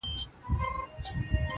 تا ولي په سوالونو کي سوالونه لټوله .